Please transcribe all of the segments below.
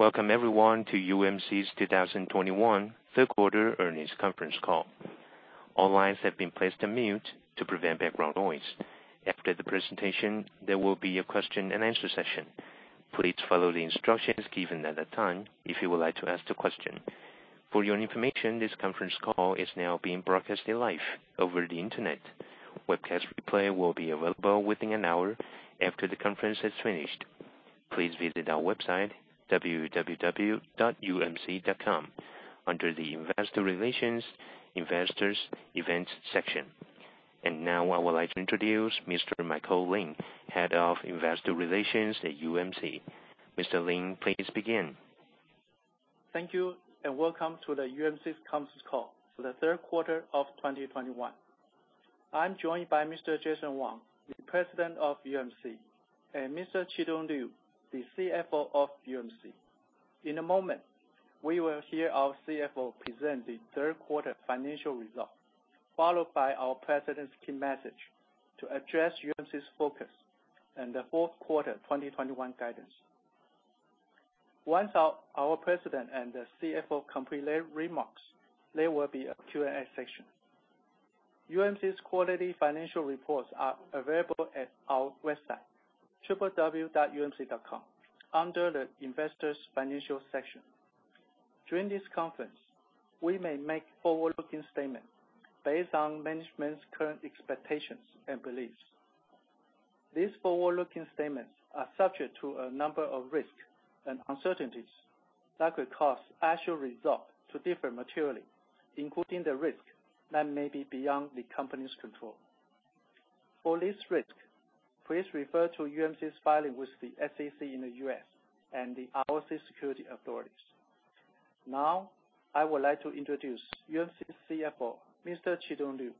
Welcome everyone to UMC's 2021 Q3 earnings conference call. All lines have been placed on mute to prevent background noise. After the presentation, there will be a question-and-answer session. Please follow the instructions given at that time if you would like to ask the question. For your information, this conference call is now being broadcasted live over the Internet. Webcast replay will be available within an hour after the conference has finished. Please visit our website www.umc.com under the Investor Relations Investors Events section. Now I would like to introduce Mr. Michael Lin, Head of Investor Relations at UMC. Mr. Lin, please begin. Thank you, and welcome to the UMC's conference call for Q3 of 2021. I'm joined by Mr. Jason Wang, the President of UMC, and Mr. Chitung Liu, the CFO of UMC. In a moment, we will hear our CFO present the third quarter financial results, followed by our president's key message to address UMC's focus and Q4 2021 guidance. Once our president and the CFO complete their remarks, there will be a Q&A session. UMC's quarterly financial reports are available at our website, www.umc.com, under the Investors Financial section. During this conference, we may make forward-looking statements based on management's current expectations and beliefs. These forward-looking statements are subject to a number of risks and uncertainties that could cause actual results to differ materially, including the risk that may be beyond the company's control. For this risk, please refer to UMC's filing with the SEC in the U.S. and the ROC securities authorities. Now, I would like to introduce UMC's CFO, Mr. Chitung Liu,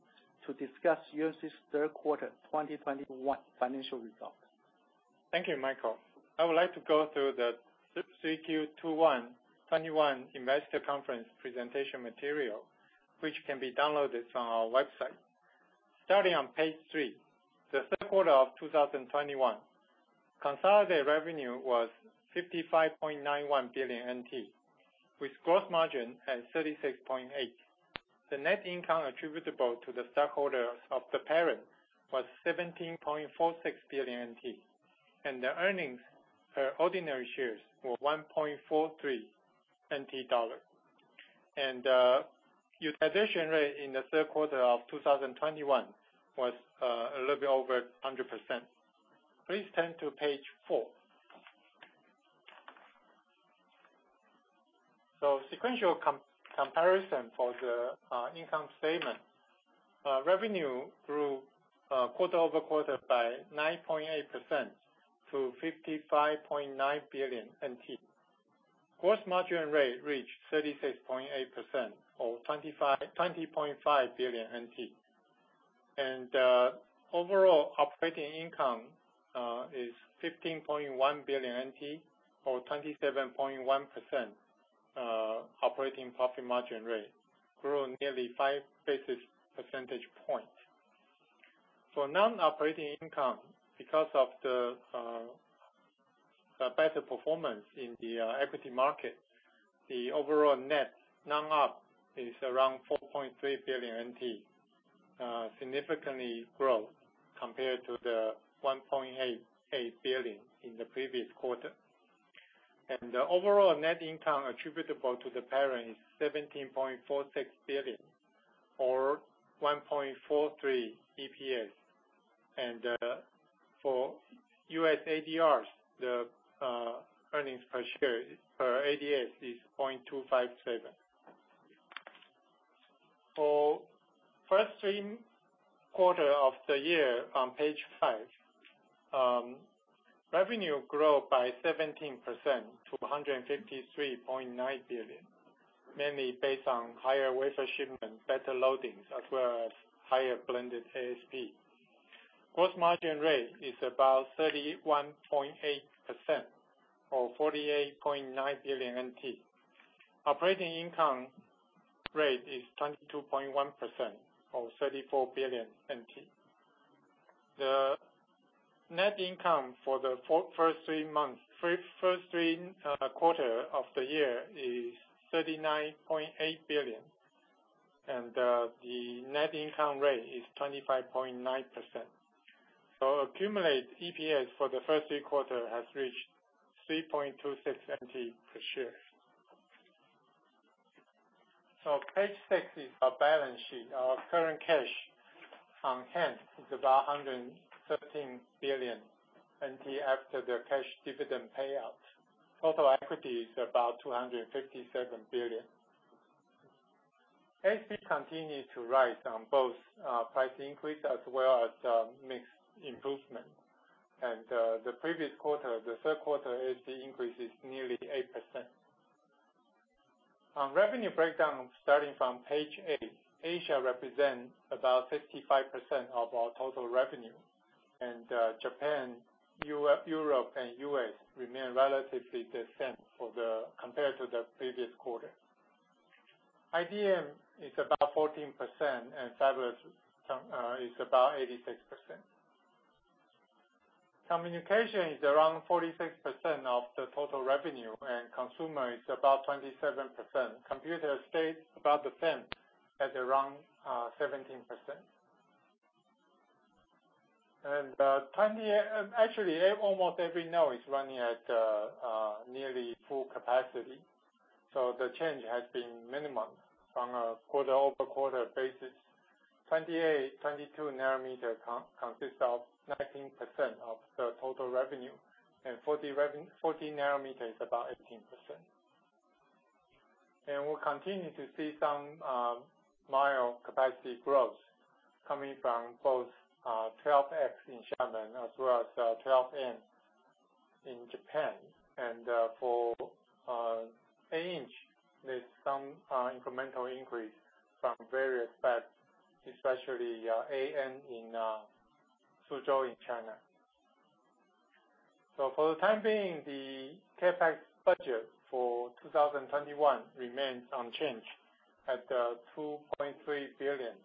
to discuss UMC's Q3 2021 financial results. Thank you, Michael. I would like to go through the 3Q 2021 investor conference presentation material, which can be downloaded from our website. Starting on page 3, Q3 of 2021, consolidated revenue was 55.91 billion NT, with gross margin at 36.8%. The net income attributable to the stockholders of the parent was 17.46 billion NT, and the earnings per ordinary shares were 1.43 NT dollars. Utilization rate in Q3 of 2021 was a little bit over 100%. Please turn to page 4. Sequential comparison for the income statement. Revenue grew quarter-over-quarter by 9.8% to 55.9 billion NT. Gross margin rate reached 36.8% or 20.5 billion NT. Overall operating income is 15.1 billion NT or 27.1% operating profit margin rate, grew nearly five percentage points. For non-operating income, because of the better performance in the equity market, the overall net non-op is around 4.3 billion NT, significant growth compared to the 1.88 billion in the previous quarter. Overall net income attributable to the parent is 17.46 billion TWD or 1.43 EPS. For US ADRs, the earnings per ADS is $0.257. For first three quarters of the year on page five, revenue grew by 17% to 153.9 billion TWD, mainly based on higher wafer shipment, better loadings as well as higher blended ASP. Gross margin rate is about 31.8% or 48.9 billion NT. Operating income rate is 22.1% or 34 billion NT. The net income for the first three quarters of the year is 39.8 billion. The net income rate is 25.9%. Accumulated EPS for the first three quarters has reached 3.26 NT per share. Page 6 is our balance sheet. Our current cash on hand is about 113 billion NT after the cash dividend payout. Total equity is about 257 billion. ASP continued to rise on both price increase as well as mix improvement. In the previous quarter, the third quarter ASP increase is nearly 8%. On revenue breakdown, starting from page 8, Asia represents about 55% of our total revenue. Japan, Europe and U.S. remain relatively the same compared to the previous quarter. IDM is about 14% and fabless is about 86%. Communication is around 46% of the total revenue, and consumer is about 27%. Computer stays about the same at around 17%. Actually, almost every node is running at nearly full capacity, so the change has been minimum from a quarter-over-quarter basis. 28, 22 nanometer consists of 19% of the total revenue, and 14 nanometer is about 18%. We'll continue to see some mild capacity growth coming from both 12X in Xiamen as well as 12nm in Japan. For 8-inch, there's some incremental increase from various fabs, especially Hejian in Suzhou in China. For the time being, the CapEx budget for 2021 remains unchanged at $2.3 billion.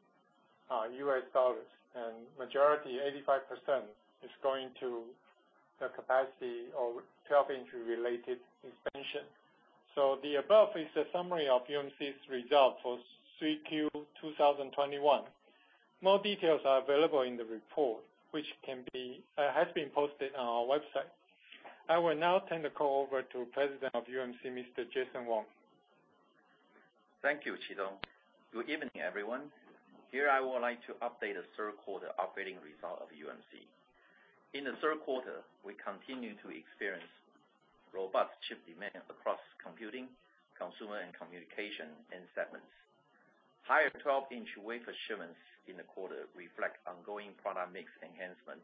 Majority, 85%, is going to the capacity of 12-inch related expansion. The above is the summary of UMC's result for 3Q 2021. More details are available in the report, which has been posted on our website. I will now turn the call over to President of UMC, Mr. Jason Wang. Thank you, Chitung. Good evening, everyone. Here, I would like to update the third quarter operating result of UMC. In Q3, we continued to experience robust chip demand across computing, consumer and communication end segments. Higher 12-inch wafer shipments in the quarter reflect ongoing product mix enhancement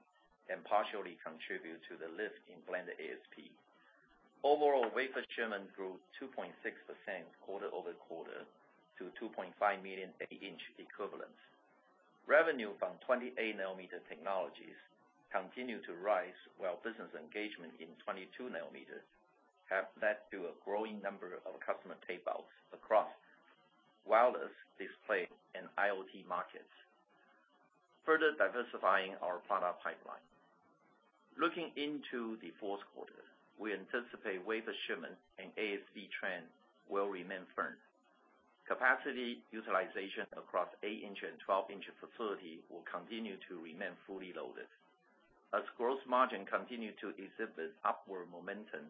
and partially contribute to the lift in blended ASP. Overall, wafer shipment grew 2.6% quarter-over-quarter to 2.5 million 8-inch equivalents. Revenue from 28 nanometer technologies continued to rise while business engagement in 22 nanometers have led to a growing number of customer tape-outs across wireless display and IoT markets, further diversifying our product pipeline. Looking into the fourth quarter, we anticipate wafer shipment and ASP trend will remain firm. Capacity utilization across 8-inch and 12-inch facility will continue to remain fully loaded. As gross margin continue to exhibit upward momentum,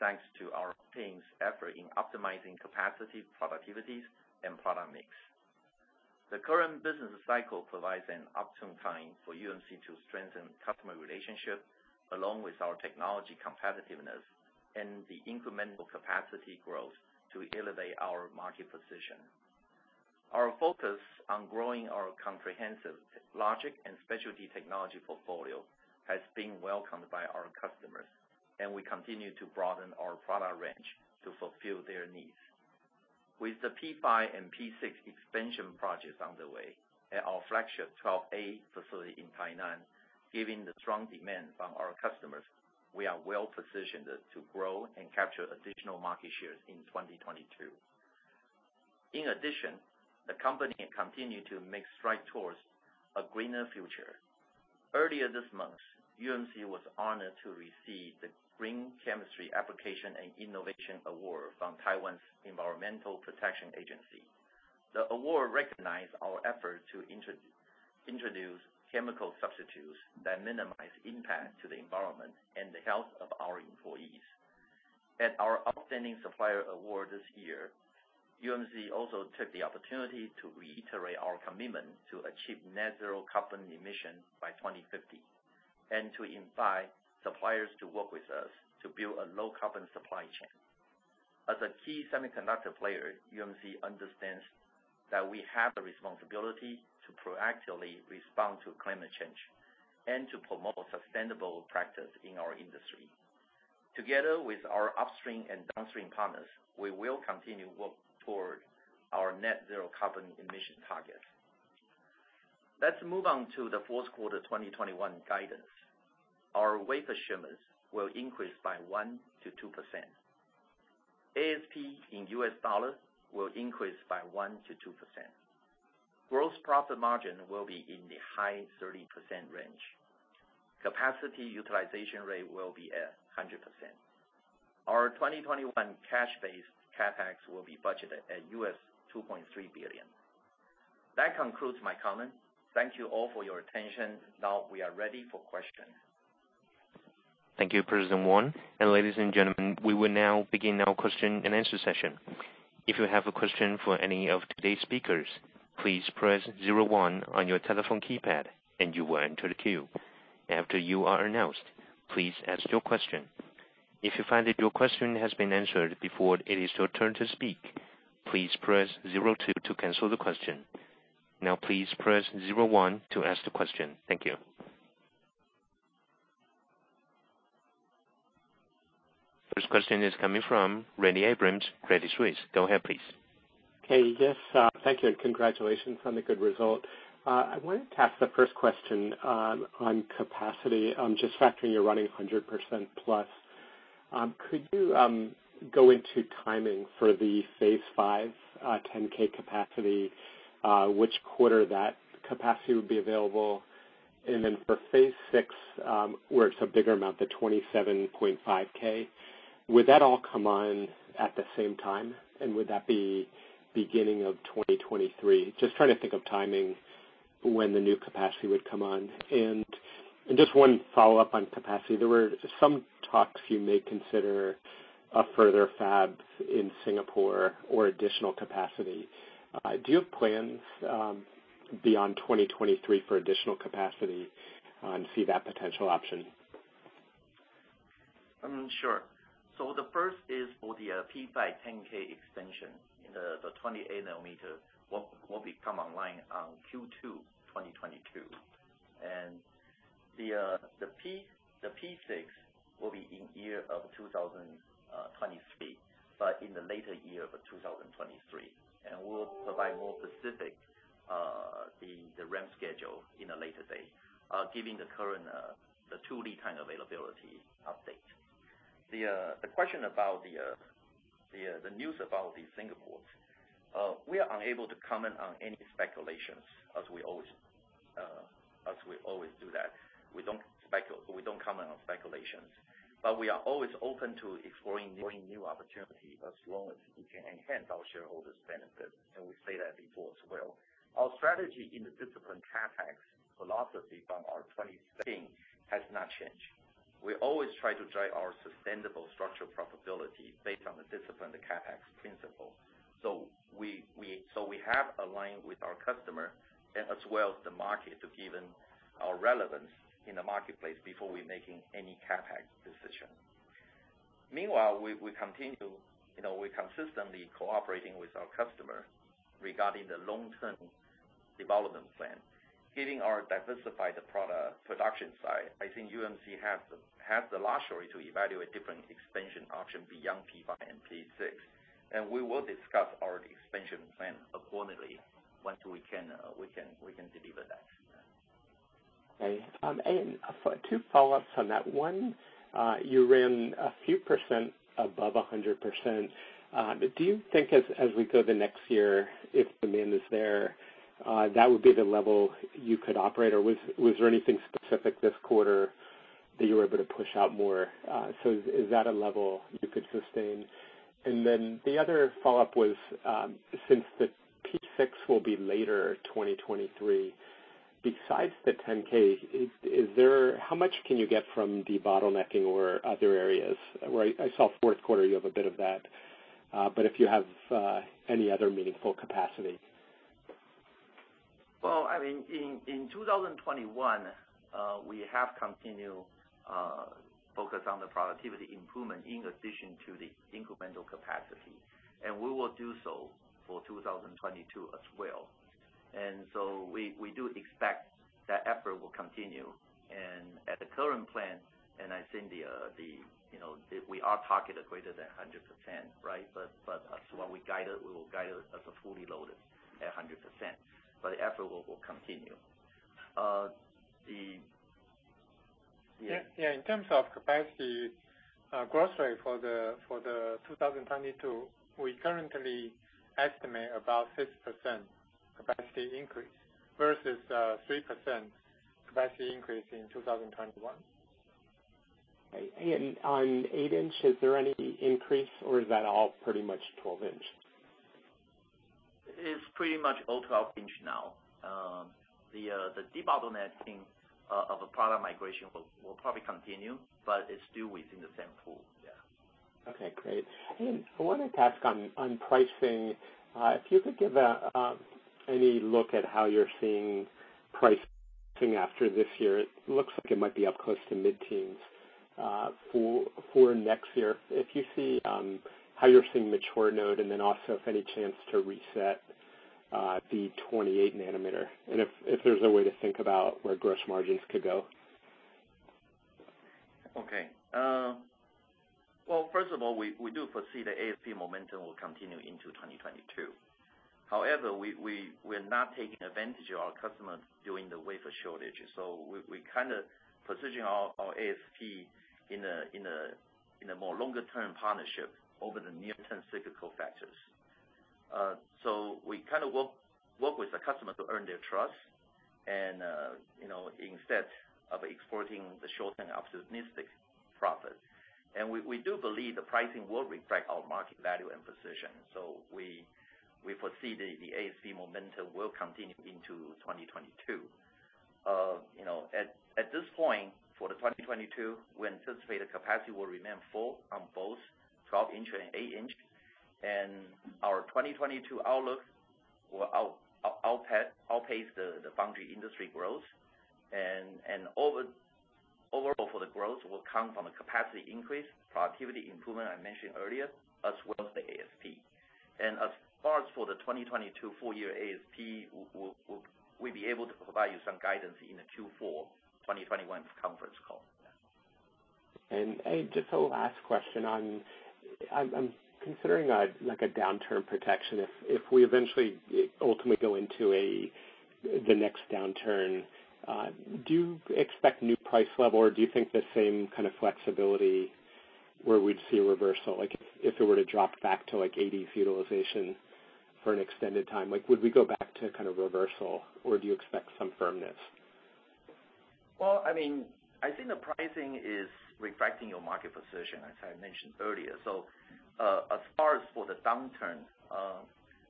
thanks to our team's effort in optimizing capacity productivities and product mix. The current business cycle provides an opportune time for UMC to strengthen customer relationship along with our technology competitiveness and the incremental capacity growth to elevate our market position. Our focus on growing our comprehensive logic and specialty technology portfolio has been welcomed by our customers, and we continue to broaden our product range to fulfill their needs. With the P5 and P6 expansion projects underway at our flagship Fab 12A facility in Tainan, given the strong demand from our customers, we are well positioned to grow and capture additional market shares in 2022. In addition, the company continued to make strides towards a greener future. Earlier this month, UMC was honored to receive the Green Chemistry Application and Innovation Award from Taiwan's Environmental Protection Administration. The award recognized our effort to introduce chemical substitutes that minimize impact to the environment and the health of our employees. At our Outstanding Supplier Awards this year, UMC also took the opportunity to reiterate our commitment to achieve net zero carbon emission by 2050, and to invite suppliers to work with us to build a low carbon supply chain. As a key semiconductor player, UMC understands that we have the responsibility to proactively respond to climate change and to promote sustainable practice in our industry. Together with our upstream and downstream partners, we will continue work toward our net zero carbon emission target. Let's move on to Q4 2021 guidance. Our wafer shipments will increase by 1%-2%. ASP in U.S. dollars will increase by 1%-2%. Gross profit margin will be in the high 30% range. Capacity utilization rate will be at 100%. Our 2021 cash-based CapEx will increase by 1%-2%. That concludes my comments. Thank you all for your attention. Now we are ready for questions. Thank you, President Wang. Ladies and gentlemen, we will now begin our question and answer session. If you have a question for any of today's speakers, please press zero one on your telephone keypad and you will enter the queue. After you are announced, please ask your question. If you find that your question has been answered before it is your turn to speak, please press zero two to cancel the question. Now, please press zero one to ask the question. Thank you. First question is coming from Randy Abrams, Credit Suisse. Go ahead, please. Okay. Yes, thank you and congratulations on the good result. I wanted to ask the first question, on capacity. Just factoring you're running 100% plus Could you go into timing for the phase five 10K capacity, which quarter that capacity would be available? For phase six, where it's a bigger amount, the 27.5K, would that all come on at the same time? Would that be beginning of 2023? Just trying to think of timing when the new capacity would come on. Just one follow-up on capacity. There were some talks that you may consider a further fab in Singapore or additional capacity. Do you have plans beyond 2023 for additional capacity or see that potential option? Sure. The first is for the P510K extension in the 20 nanometer will become online on Q2 2022. The P6 will be in year of 2023, but in the later year of 2023. We'll provide more specific the ramp schedule in a later date, given the current longer lead time availability update. The question about the news about Singapore we are unable to comment on any speculations as we always do that. We don't comment on speculations, but we are always open to exploring growing new opportunity as long as we can enhance our shareholders benefit. We say that before as well. Our strategy in the disciplined CapEx philosophy from our 2016 has not changed. We always try to drive our sustainable structural profitability based on the discipline, the CapEx principle. We have aligned with our customer as well as the market to given our relevance in the marketplace before we making any CapEx decision. Meanwhile, we continue, you know, we consistently cooperating with our customer regarding the long-term development plan. Given our diversified product production side, I think UMC have the luxury to evaluate different expansion option beyond P5 and P6. We will discuss our expansion plan accordingly once we can deliver that. Okay. For two follow-ups on that. One, you ran a few percent above 100%. Do you think as we go the next year, if demand is there, that would be the level you could operate? Or was there anything specific this quarter that you were able to push out more? Is that a level you could sustain? The other follow-up was, since the P6 will be later 2023, besides the 10K, is there. How much can you get from the bottlenecking or other areas where I saw Q4 you have a bit of that, but if you have any other meaningful capacity? Well, I mean, in 2021, we have continued focus on the productivity improvement in addition to the incremental capacity, and we will do so for 2022 as well. We do expect that effort will continue. At the current plan, I think the you know, we are targeted greater than 100%, right? But as what we guided, we will guide it as a fully loaded at 100%, but the effort will continue. In terms of capacity, growth for 2022, we currently estimate about 6% capacity increase versus 3% capacity increase in 2021. On 8-inch, is there any increase or is that all pretty much 12-inch? It's pretty much all 12-inch now. The debottlenecking of a product migration will probably continue, but it's still within the same pool. Yeah. Okay, great. I wanted to ask on pricing, if you could give any look at how you're seeing pricing after this year. It looks like it might be up close to mid-teens for next year. If you see how you're seeing mature node, and then also if any chance to reset the 28 nanometer. If there's a way to think about where gross margins could go. Okay. Well, first of all, we do foresee the ASP momentum will continue into 2022. However, we're not taking advantage of our customers during the wafer shortage. We kind of positioning our ASP in a more longer-term partnership over the near-term cyclical factors. We kind of work with the customer to earn their trust and, you know, instead of exploiting the short-term opportunistic profit. We do believe the pricing will reflect our market value and position. We foresee the ASP momentum will continue into 2022. You know, at this point for the 2022, we anticipate the capacity will remain full on both 12-inch and 8-inch. Our 2022 outlook will outpace the foundry industry growth and overall, the growth will come from a capacity increase, productivity improvement I mentioned earlier, as well as the ASP. As far as for the 2022 full year ASP, we'll be able to provide you some guidance in the Q4 2021 conference call. Just a last question on. I'm considering, like, a downturn protection if we eventually ultimately go into the next downturn. Do you expect new price level, or do you think the same kind of flexibility where we'd see a reversal? Like if it were to drop back to like 80 utilization for an extended time, like would we go back to kind of reversal or do you expect some firmness? Well, I mean, I think the pricing is reflecting your market position as I mentioned earlier. As far as for the downturn,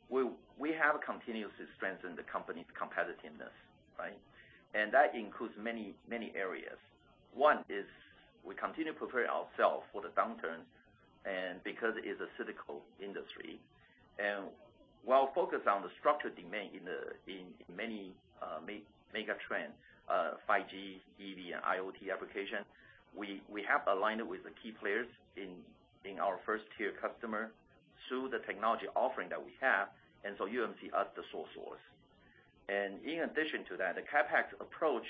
we have continuously strengthened the company's competitiveness, right? That includes many areas. One is we continue to prepare ourselves for the downturn and because it is a cyclical industry. While focused on the structured demand in many mega trends, 5G, EV, and IoT application, we have aligned it with the key players in our first tier customer through the technology offering that we have, and so UMC as the sole source. In addition to that, the CapEx approach,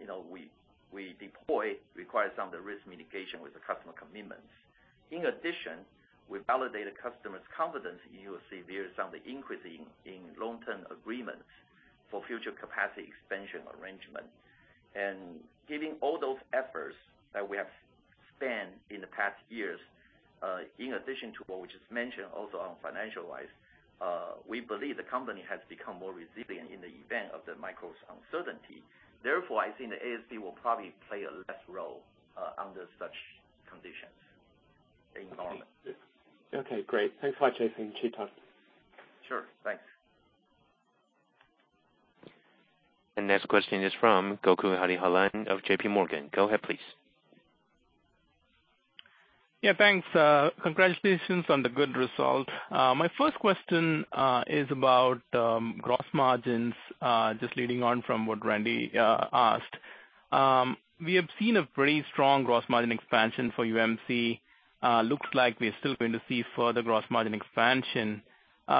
you know, we deploy requires some of the risk mitigation with the customer commitments. In addition, we validated customers' confidence in UMC via some of the increases in long-term agreements for future capacity expansion arrangements. Giving all those efforts that we have spent in the past years, in addition to what we just mentioned also on financial-wise, we believe the company has become more resilient in the event of the macro uncertainty. Therefore, I think the ASP will probably play less of a role under such conditions in normal. Okay, great. Thanks a lot, Jason. Keep up. Sure. Thanks. Next question is from Gokul Hariharan of JPMorgan. Go ahead, please. Yeah, thanks. Congratulations on the good result. My first question is about gross margins, just leading on from what Randy asked. We have seen a pretty strong gross margin expansion for UMC. Looks like we're still going to see further gross margin expansion.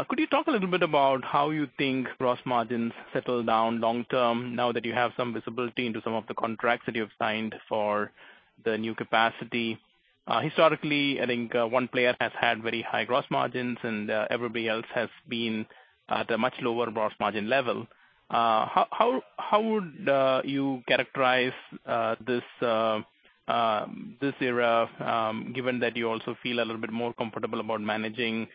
Could you talk a little bit about how you think gross margins settle down long term now that you have some visibility into some of the contracts that you have signed for the new capacity? Historically, I think one player has had very high gross margins, and everybody else has been at a much lower gross margin level. How would you characterize this era, given that you also feel a little bit more comfortable about managing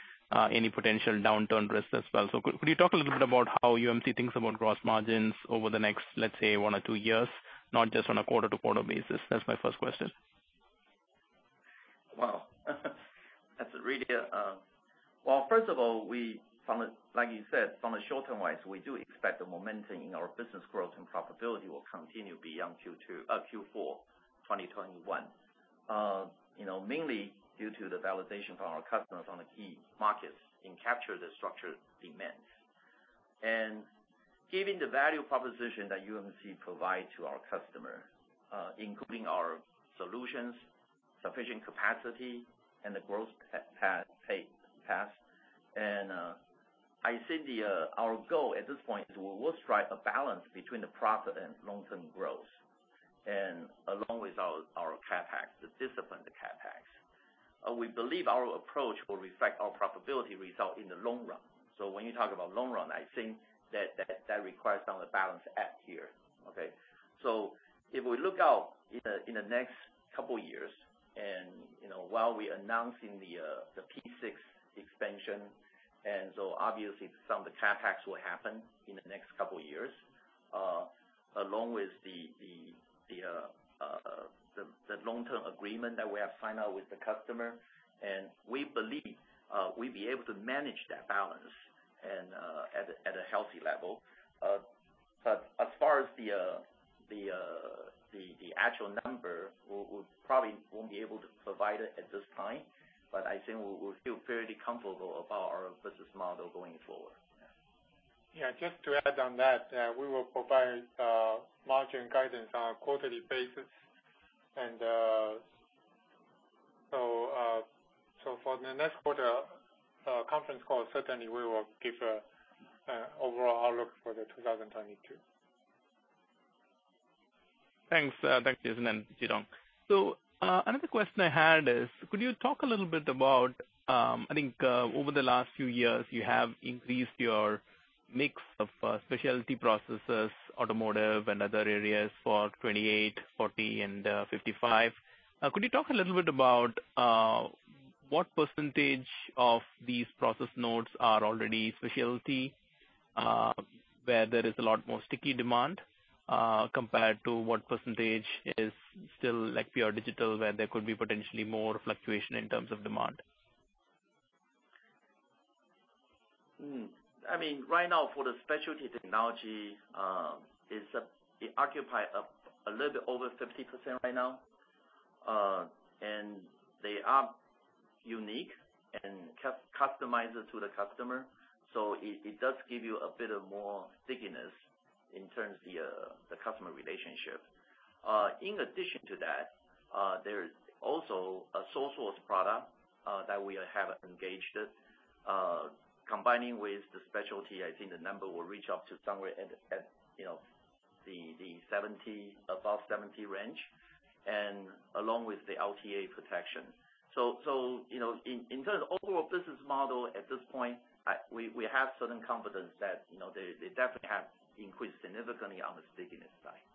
any potential downturn risks as well? Could you talk a little bit about how UMC thinks about gross margins over the next, let's say, one or two years, not just on a quarter-to-quarter basis? That's my first question. Wow. That's really... Well, first of all, like you said, from a short-term wise, we do expect the momentum in our business growth and profitability will continue beyond Q2, Q4 2021. You know, mainly due to the validation from our customers on the key markets and capture the structured demand. Given the value proposition that UMC provide to our customer, including our solutions, sufficient capacity and the growth path. I think our goal at this point is we will strike a balance between the profit and long-term growth. Along with our CapEx, the discipline, the CapEx. We believe our approach will reflect our profitability result in the long run. When you talk about long run, I think that requires some of the balance act here. Okay? If we look out in the next couple years, you know, while we're announcing the P6 expansion, and so obviously some of the CapEx will happen in the next couple years, along with the long-term agreement that we have signed with the customer, and we believe we'll be able to manage that balance and at a healthy level. As far as the actual number, we probably won't be able to provide it at this time, but I think we feel fairly comfortable about our business model going forward. Yeah. Just to add on that, we will provide margin guidance on a quarterly basis. For the next quarter conference call, certainly we will give a overall outlook for 2022. Thanks. Thanks, Jason and Chitung. Another question I had is, could you talk a little bit about, I think, over the last few years you have increased your mix of, specialty processes, automotive and other areas for 28, 40, and 55. Could you talk a little bit about what percentage of these process nodes are already specialty, where there is a lot more sticky demand, compared to what percentage is still like pure digital, where there could be potentially more fluctuation in terms of demand? I mean, right now for the specialty technology, it occupies a little bit over 50% right now. They are unique and customized to the customer, so it does give you a bit more stickiness in terms of the customer relationship. In addition to that, there is also a sole source product that we have engaged it. Combining with the specialty, I think the number will reach up to somewhere at, you know. The 70, above 70 range, and along with the LTA protection. You know, in terms of overall business model at this point, we have certain confidence that, you know, they definitely have increased significantly on the stickiness side.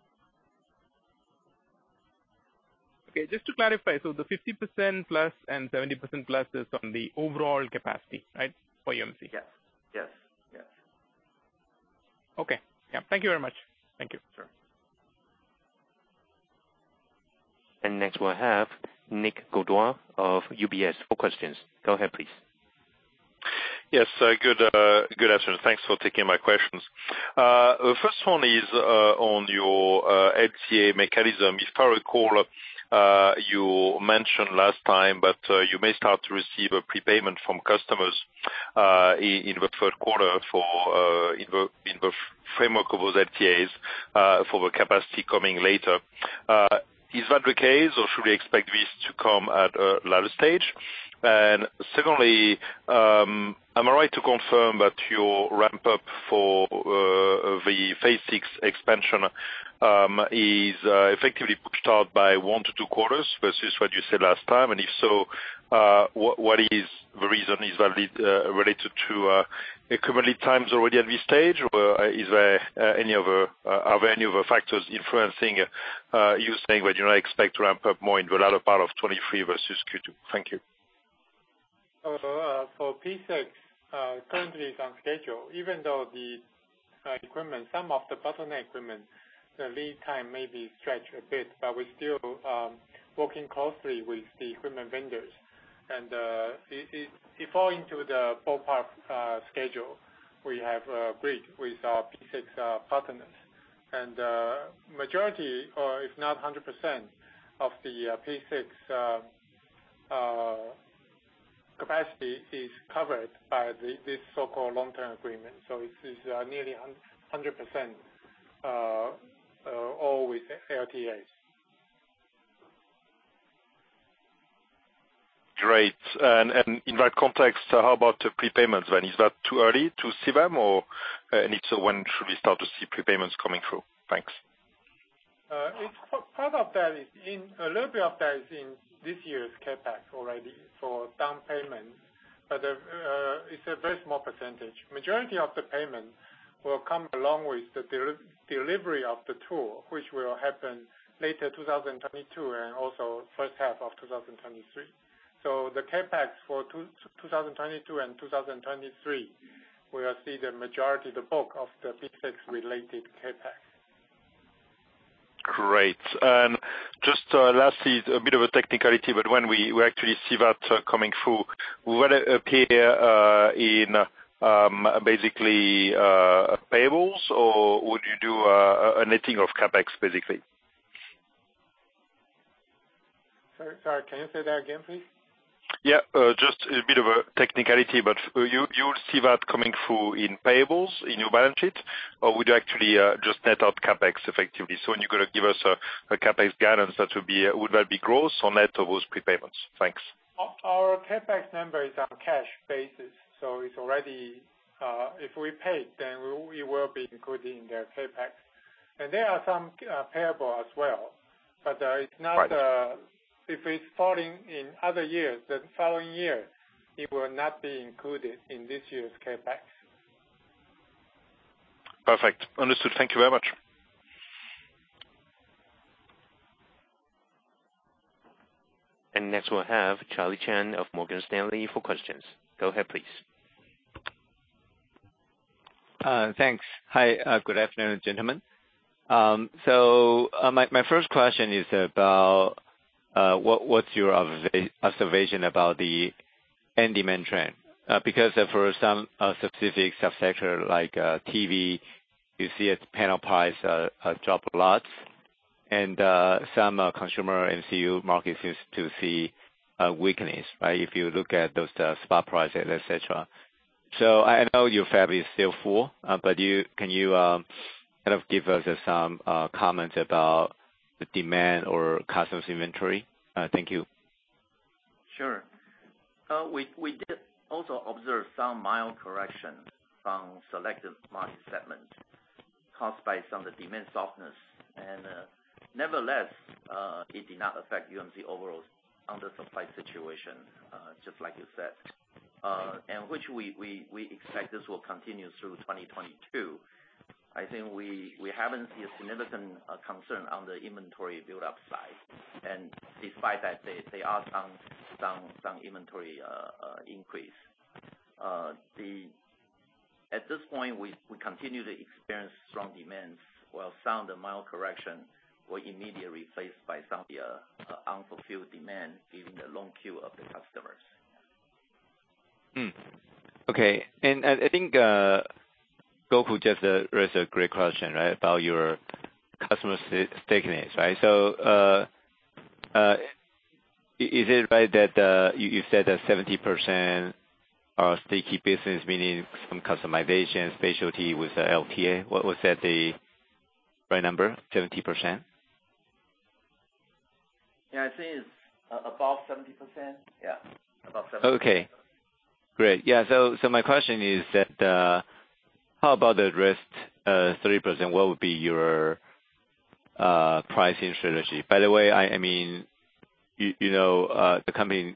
Okay, just to clarify, the 50% plus and 70% plus is on the overall capacity, right, for UMC? Yes. Okay. Yeah. Thank you very much. Thank you. Sure. Next we'll have Nicolas Gaudioso of UBS for questions. Go ahead, please. Yes. Good afternoon. Thanks for taking my questions. The first one is on your LTA mechanism. If I recall, you mentioned last time that you may start to receive a prepayment from customers in Q3 for in the framework of those LTAs for the capacity coming later. Is that the case, or should we expect this to come at a later stage? Secondly, am I right to confirm that your ramp up for the phase six expansion is effectively pushed out by 1-2 quarters versus what you said last time? If so, what is the reason? Is that related to equipment lead times already at this stage, or is there any other Are there any other factors influencing you saying that you now expect to ramp up more in the latter part of 2023 versus Q2? Thank you. For P6, it currently is on schedule, even though the equipment, some of the bottleneck equipment, the lead time may be stretched a bit, but we're still working closely with the equipment vendors. It falls into the ballpark schedule we have agreed with our P6 partners. Majority, or if not 100% of the P6 capacity is covered by this so-called long-term agreement. It is nearly 100%, all with LTAs. Great. In that context, how about prepayments then? Is that too early to see them, or and if so, when should we start to see prepayments coming through? Thanks. Part of that is in this year's CapEx already for down payment, but it's a very small percentage. Majority of the payment will come along with the delivery of the tool, which will happen later 2022 and also first half of 2023. The CapEx for 2022 and 2023, we will see the majority, the bulk of the P6 related CapEx. Great. Just lastly, a bit of a technicality, but when we actually see that coming through, will it appear in basically payables or would you do a netting of CapEx basically? Sorry, can you say that again, please? Yeah. Just a bit of a technicality, but you'll see that coming through in payables in your balance sheet or would you actually just net out CapEx effectively? So when you're gonna give us a CapEx guidance, would that be gross or net of those prepayments? Thanks. Our CapEx number is on cash basis, so it's already, if we pay it, then we will be including the CapEx. There are some payable as well, but it's not, Right. If it's falling in other years, the following year, it will not be included in this year's CapEx. Perfect. Understood. Thank you very much. Next we'll have Charlie Chan of Morgan Stanley for questions. Go ahead, please. Thanks. Hi, good afternoon, gentlemen. My first question is about what's your observation about the end demand trend? Because for some specific sub-sector like TV, you see its panel price drop a lot. Some consumer MCU markets seems to see weakness, right? If you look at those, the spot prices, et cetera. I know your fab is still full, but can you kind of give us some comments about the demand or customers' inventory? Thank you. Sure. We did also observe some mild correction from selective market segments caused by some of the demand softness. Nevertheless, it did not affect UMC overall undersupply situation, just like you said, and which we expect this will continue through 2022. I think we haven't seen a significant concern on the inventory buildup side. Despite that, there are some inventory increase. At this point, we continue to experience strong demands, while some of the mild correction were immediately replaced by some of the unfulfilled demand, given the long queue of the customers. I think Gokul Hariharan just raised a great question, right? About your customer stickiness, right? Is it right that you said that 70% are sticky business, meaning some customization, specialty with the LTA? Was that the right number, 70%? Yeah, I think it's above 70%. Yeah. Above 70%. Okay. Great. Yeah, so my question is that, how about the rest 30%, what would be your pricing strategy? By the way, I mean, you know, the company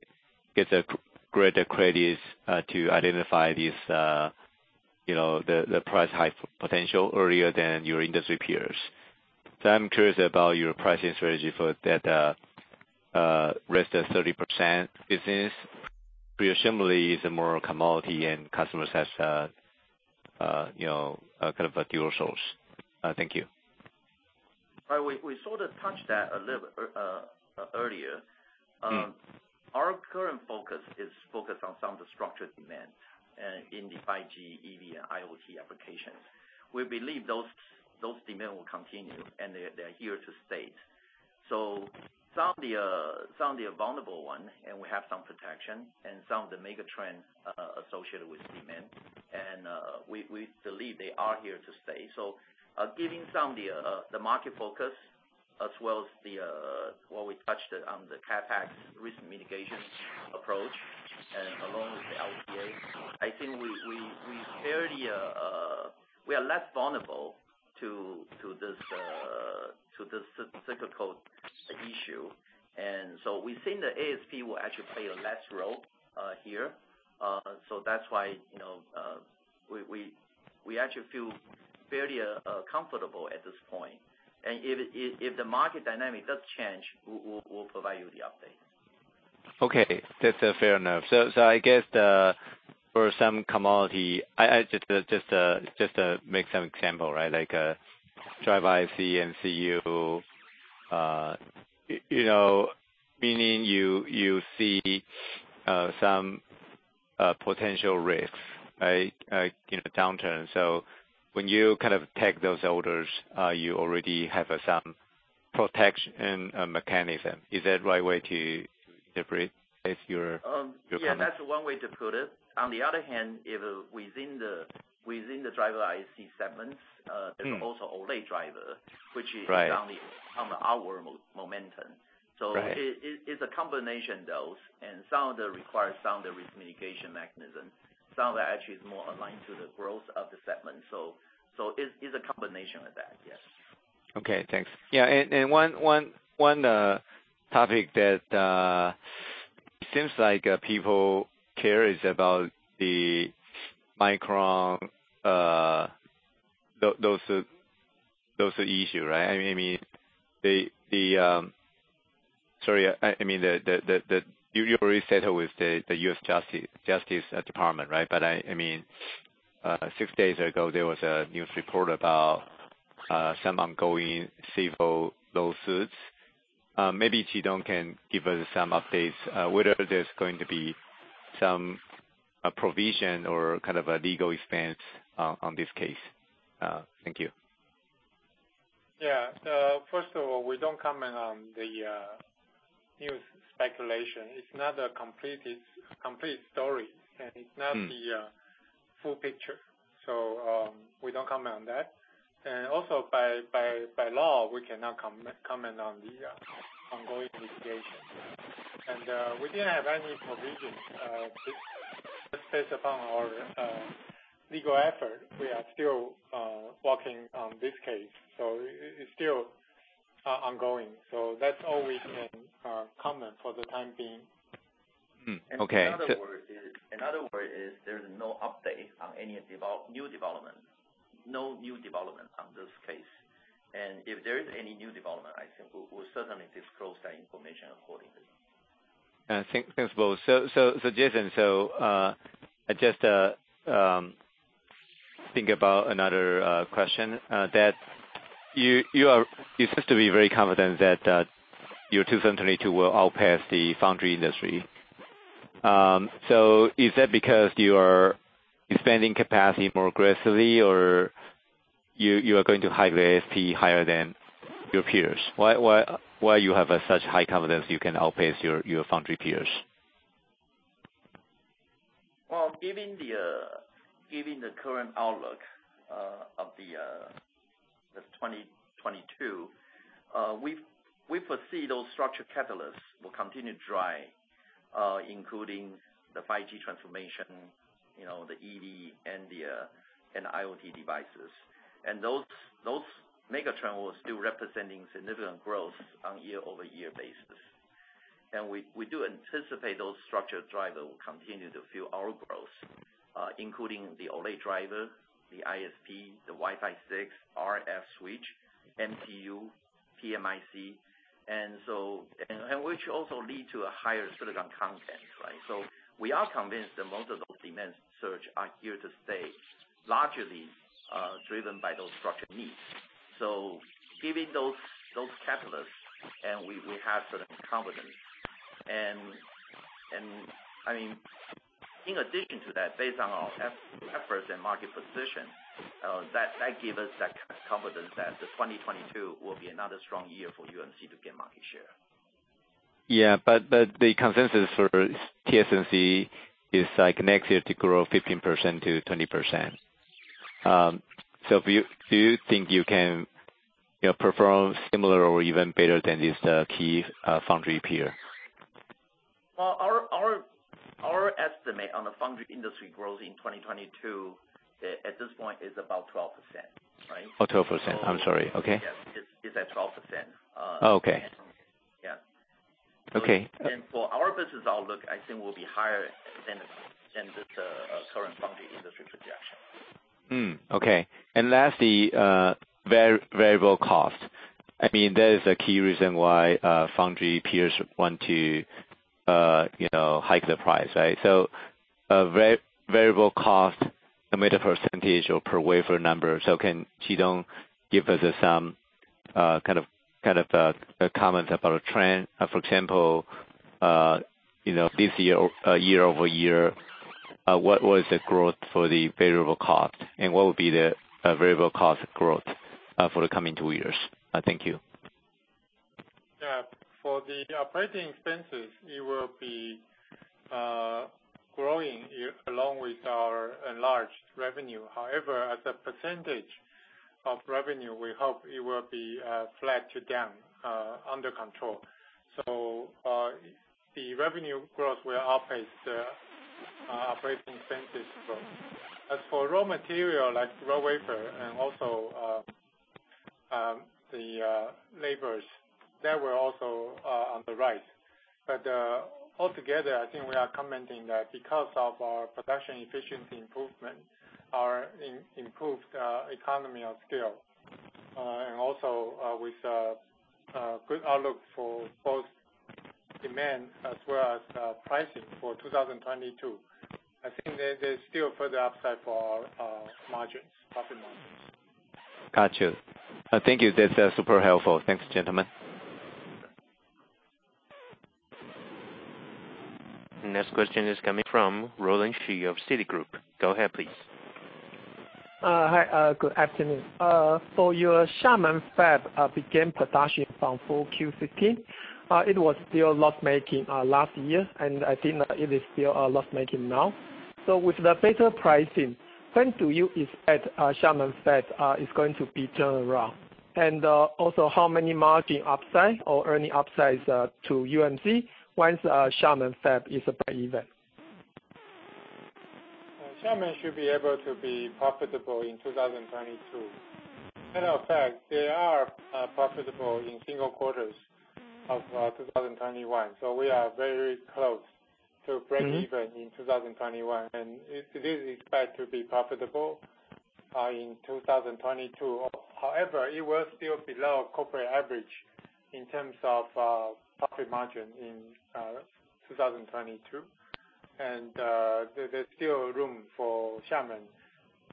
gets a greater credit to identify these, you know, the price high potential earlier than your industry peers. I'm curious about your pricing strategy for that rest of 30% business. Presumably it's a more commodity and customers has a, you know, a kind of a dual source. Thank you. All right. We sort of touched that a little earlier. Mm-hmm. Our current focus is focused on some of the structured demand in the 5G, EV, and IoT applications. We believe those demands will continue, and they're here to stay. Some of the vulnerable ones, and we have some protection, and some of the mega trends associated with demand. We believe they are here to stay. Given some of the market focus as well as what we touched on the CapEx risk mitigation approach, and along with the LTA, I think we are fairly less vulnerable to this cyclical issue. We think the ASP will actually play a lesser role here. That's why, you know, we actually feel fairly comfortable at this point. If the market dynamic does change, we'll provide you the update. Okay. That's fair enough. I guess, for some commodity, I just to make some example, right? Like, driver IC and MCU, you know, meaning you see some potential risks, right? You know, downturn. When you kind of take those orders, you already have some protection mechanism. Is that the right way to interpret your comment- Yeah, that's one way to put it. On the other hand, if within the driver IC segments, Mm-hmm. There's also OLED driver, which is. Right. On our momentum. Right. It's a combination of those. Some of them require some of the risk mitigation mechanism. Some of that actually is more aligned to the growth of the segment. It's a combination of that, yes. Okay, thanks. Yeah, one topic that seems like people care about the Micron those issue, right? I mean, you already settled with the U.S. Department of Justice, right? I mean, six days ago, there was a news report about some ongoing civil lawsuits. Maybe Chi Tung Liu can give us some updates whether there's going to be some provision or kind of a legal expense on this case. Thank you. Yeah. First of all, we don't comment on the news speculation. It's not a complete story. Mm. It's not the full picture. We don't comment on that. Also by law, we cannot comment on the ongoing litigation. We didn't have any provision based upon our legal effort. We are still working on this case. It's still ongoing. That's all we can comment for the time being. Okay. In other words, there's no update on any new development. No new development on this case. If there is any new development, I think we'll certainly disclose that information accordingly. Thanks both. Jason, just think about another question. You seem to be very confident that your 2022 will outpace the foundry industry. Is that because you are expanding capacity more aggressively or you are going to hike the ASP higher than your peers? Why you have such high confidence you can outpace your foundry peers? Well, given the current outlook of 2022, we foresee those structured catalysts will continue to drive, including the 5G transformation, you know, the EV and IoT devices. Those megatrends were still representing significant growth on year-over-year basis. We do anticipate those structured drivers will continue to fuel our growth, including the OLED driver, the ISP, the Wi-Fi 6, RF switch, MCU, PMIC, and so on. Which also lead to a higher silicon content, right? We are convinced that most of those demand surges are here to stay, largely driven by those structured needs. Given those catalysts, we have certain confidence. I mean, in addition to that, based on our efforts and market position, that give us that confidence that the 2022 will be another strong year for UMC to gain market share. Yeah, the consensus for TSMC is like next year to grow 15%-20%. Do you think you can, you know, perform similar or even better than these, the key foundry peer? Well, our estimate on the foundry industry growth in 2022, at this point, is about 12%, right? Oh, 12%. I'm sorry. Okay. Yes. It's at 12%. Oh, okay. Yeah. Okay. For our business outlook, I think we'll be higher than this current foundry industry projection. Lastly, variable cost. I mean, that is a key reason why foundry peers want to, you know, hike the price, right? Variable cost, no matter percentage or per wafer number, can Chi Tung Liu give us some kind of comments about a trend. For example, you know, this year over year, what was the growth for the variable cost? And what would be the variable cost growth for the coming two years? Thank you. For the operating expenses, it will be growing along with our enlarged revenue. However, as a percentage of revenue, we hope it will be flat to down under control. The revenue growth will outpace the operating expenses growth. As for raw material like raw wafer and also the labors, they were also on the rise. Altogether, I think we are confident that because of our production efficiency improvement, our improved economy of scale, and also with a good outlook for both demand as well as pricing for 2022, I think there's still further upside for our profit margins. Got you. Thank you. That's super helpful. Thanks, gentlemen. Next question is coming from Roland Shu of Citigroup. Go ahead, please. Hi. Good afternoon. Your Xiamen Fab began production from full Q4 2015. It was still loss-making last year, and I think it is still loss-making now. With the better pricing, when do you expect Xiamen Fab is going to be turned around? Also, how many margin upside or earnings upsides to UMC once Xiamen Fab is breakeven? Xiamen should be able to be profitable in 2022. Matter of fact, they are profitable in single quarters of 2021, so we are very close to breakeven. Mm-hmm. in 2021. It is expected to be profitable in 2022. However, it will still be below corporate average in terms of profit margin in 2022. There's still room for Xiamen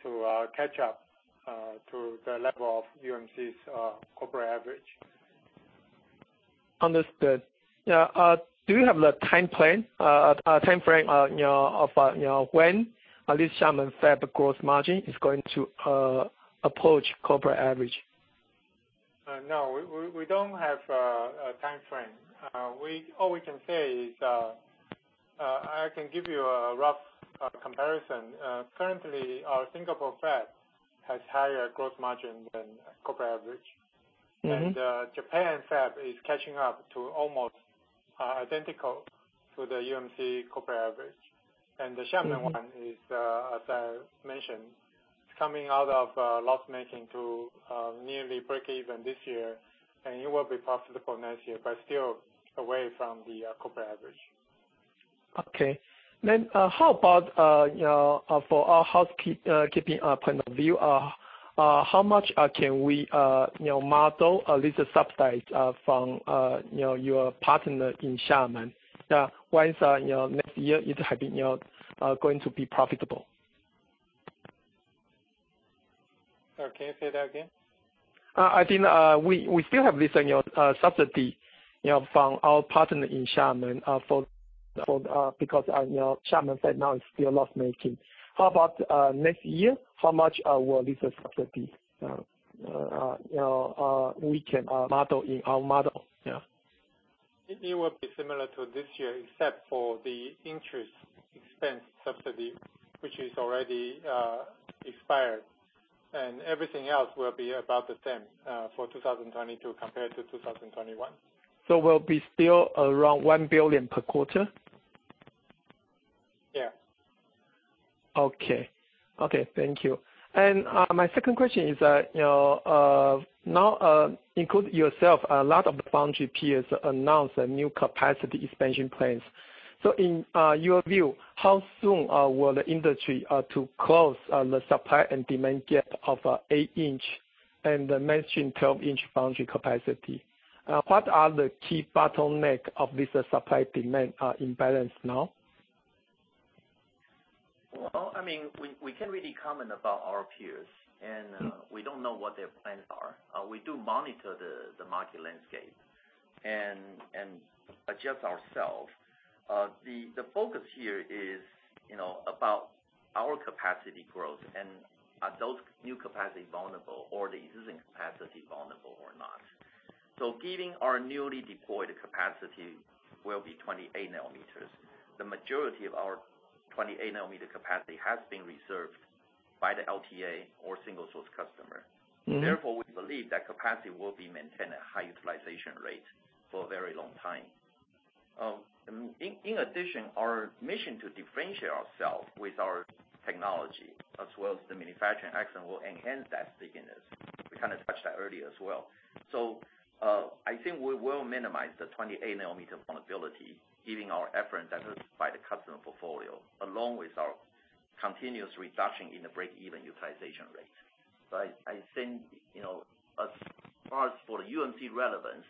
to catch up to the level of UMC's corporate average. Understood. Yeah. Do you have the time frame, you know, of, you know, when at least Xiamen fab gross margin is going to approach corporate average? No. We don't have a time frame. All we can say is, I can give you a rough comparison. Currently our Singapore fab has higher gross margin than corporate average. Mm-hmm. Japan fab is catching up to almost identical to the UMC corporate average. The Xiamen one is, as I mentioned, coming out of loss-making to nearly breakeven this year, and it will be profitable next year, but still away from the corporate average. Okay. How about, you know, from a housekeeping point of view, how much can we, you know, model at least a subsidy from, you know, your partner in Xiamen, once, you know, next year it is going to be profitable? Can you say that again? I think we still have this, you know, subsidy, you know, from our partner in Xiamen for you know, Xiamen fab now is still loss-making. How about next year? How much will this subsidy, you know, we can model in our model? Yeah. It will be similar to this year, except for the interest expense subsidy, which is already expired. Everything else will be about the same for 2022 compared to 2021. Will be still around 1 billion per quarter? Yeah. Okay, thank you. My second question is that, you know, now, including yourself, a lot of the foundry peers announced new capacity expansion plans. In your view, how soon will the industry to close the supply and demand gap of 8-inch and the mentioned 12-inch foundry capacity? What are the key bottleneck of this supply-demand imbalance now? Well, I mean, we can't really comment about our peers, and we don't know what their plans are. We do monitor the market landscape and adjust ourselves. The focus here is, you know, about our capacity growth and are those new capacity vulnerable or the existing capacity vulnerable or not? Giving our newly deployed capacity will be 28 nanometers. The majority of our 28 nanometer capacity has been reserved by the LTA or single source customer. Mm-hmm. Therefore, we believe that capacity will be maintained at high utilization rate for a very long time. In addition, our mission to differentiate ourselves with our technology as well as the manufacturing action will enhance that stickiness. We kind of touched that earlier as well. I think we will minimize the 28 nanometer vulnerability, given our efforts and by the customer portfolio, along with our continuous reduction in the break-even utilization rate. I think, you know, as far as for the UMC relevance,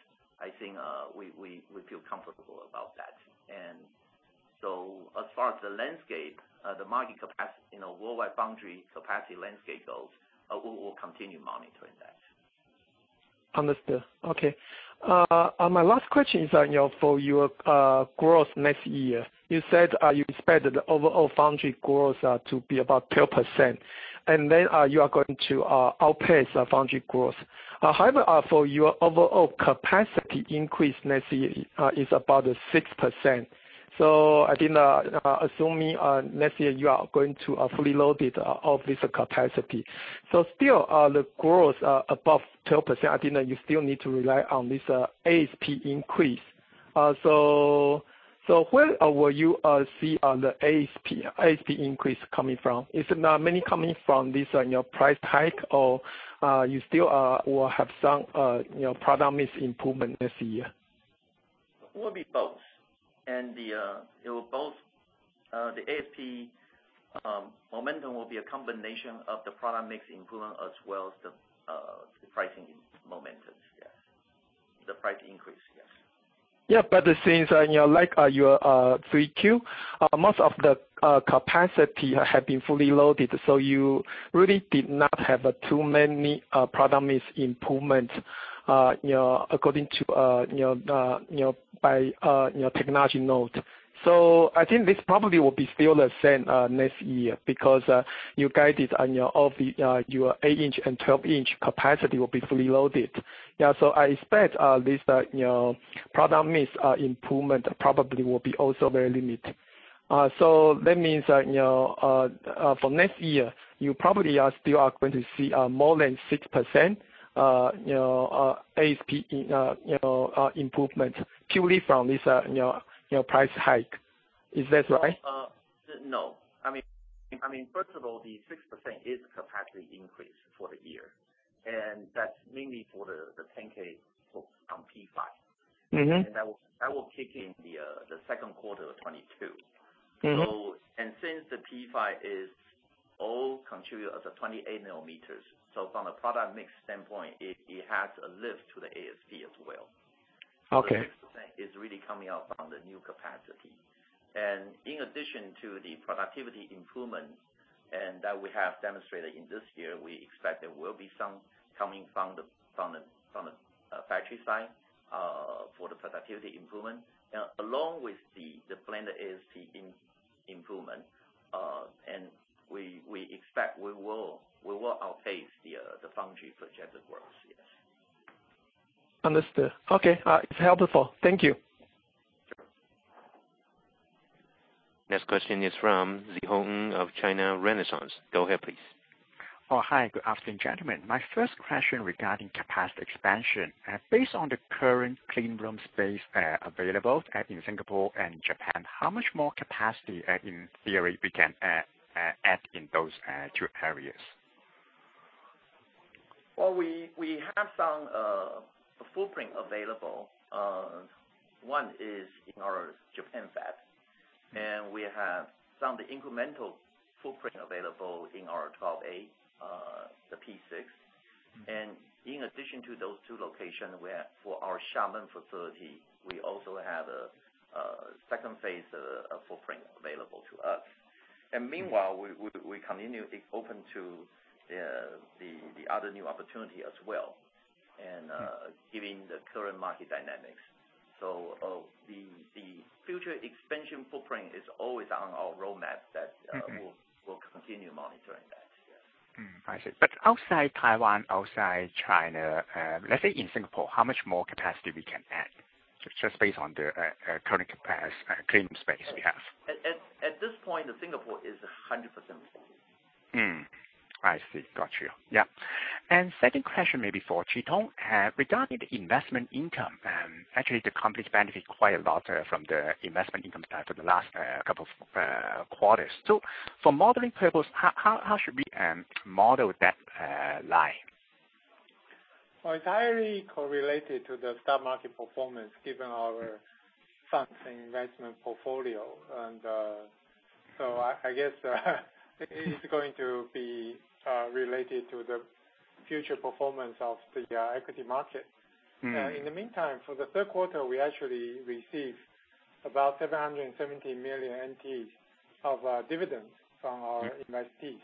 we feel comfortable about that. As far as the landscape, the market capacity, you know, worldwide foundry capacity landscape goes, we will continue monitoring that. Understood. Okay. My last question is on, you know, for your growth next year. You said you expect the overall foundry growth to be about 12%, and then you are going to outpace the foundry growth. However, for your overall capacity increase next year is about 6%. I think assuming next year you are going to fully load it of this capacity. Still, the growth above 12%, I think that you still need to rely on this ASP increase. Where will you see the ASP increase coming from? Is it mainly coming from this, you know, price hike or you still will have some, you know, product mix improvement next year? It will be both. The ASP momentum will be a combination of the product mix improvement as well as the pricing momentum. Yeah. The price increase. Yes. Yeah, but it seems, you know, like, your 3Q, most of the capacity have been fully loaded, so you really did not have too many product mix improvement, you know, according to, you know, the, you know, by technology node. I think this probably will be still the same next year because you guided on your, of the, your 8-inch and 12-inch capacity will be fully loaded. Yeah, I expect this, you know, product mix improvement probably will be also very limited. That means that, you know, for next year, you probably are still going to see more than 6%, you know, ASP, you know, improvement purely from this, you know, price hike. Is that right? No. I mean, first of all, the 6% is capacity increase for the year, and that's mainly for the 10K on P5. Mm-hmm. That will kick in Q2 of 2022. Mm-hmm. Since the P5 is all contributed at the 28 nanometers, from a product mix standpoint, it has a lift to the ASP as well. Okay. is really coming out from the new capacity. In addition to the productivity improvement that we have demonstrated in this year, we expect there will be some coming from the factory side for the productivity improvement. Along with the planned ASP improvement, we expect we will outpace the foundry projected growth. Yes. Understood. Okay. It's helpful. Thank you. Next question is from Zhihong Zhang of China Renaissance. Go ahead, please. Oh, hi. Good afternoon, gentlemen. My first question regarding capacity expansion. Based on the current clean room space available in Singapore and Japan, how much more capacity in theory we can add in those two areas? Well, we have some footprint available. One is in our Japan fab, and we have some of the incremental footprint available in our Fab 12A, the P6. In addition to those two locations, we have, for our Xiamen facility, we also have a second phase footprint available to us. Meanwhile, we continue to be open to the other new opportunity as well, given the current market dynamics. The future expansion footprint is always on our roadmap. Mm-hmm. We'll continue monitoring that. Yes. I see. Outside Taiwan, outside China, let's say in Singapore, how much more capacity we can add just based on the current clean space we have? At this point, Singapore is 100% full. I see. Got you. Yeah. Second question maybe for Chitung. Regarding the investment income, actually the company benefited quite a lot from the investment income for the last couple of quarters. For modeling purpose, how should we model that line? Well, it's highly correlated to the stock market performance given our funds investment portfolio. I guess it's going to be related to the future performance of the equity market. Mm-hmm. In the meantime, for the Q3, we actually received about 770 million NT of dividends from our investees.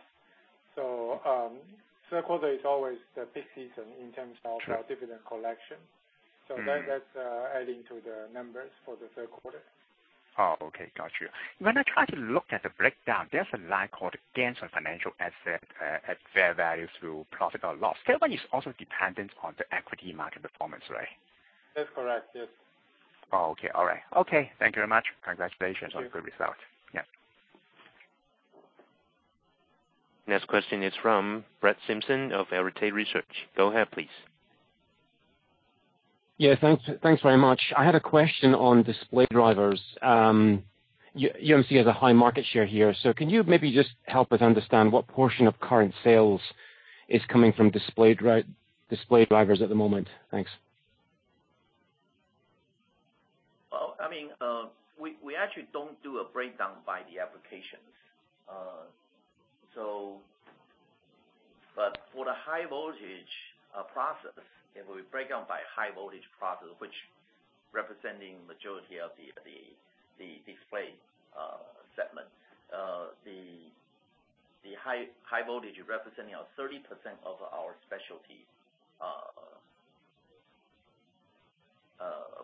Q3 is always the peak season in terms of- Sure. our dividend collection. Mm-hmm. That's adding to the numbers for the third quarter. Oh, okay. Got you. When I try to look at the breakdown, there's a line called gains on financial asset at fair value through profit or loss. Fair value is also dependent on the equity market performance, right? That's correct. Yes. Oh, okay. All right. Okay. Thank you very much. Congratulations on the good result. Yeah. Next question is from Brett Simpson of Arete Research. Go ahead, please. Yeah. Thanks very much. I had a question on display drivers. UMC has a high market share here, so can you maybe just help us understand what portion of current sales is coming from display drivers at the moment? Thanks. Well, I mean, we actually don't do a breakdown by the applications. For the high voltage process, if we break down by high voltage process, which representing majority of the display segment, the high voltage representing our 30% of our specialty